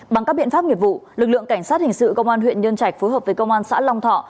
bằng các biện pháp nghiệp vụ lực lượng cảnh sát hình sự công an huyện nhân trạch phối hợp với công an xã long thọ